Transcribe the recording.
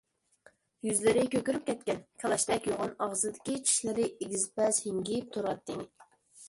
يۈزلىرى كۆكىرىپ كەتكەن، كالاچتەك يوغان ئاغزىدىكى چىشلىرى ئېگىز - پەس ھىڭگىيىپ تۇراتتى.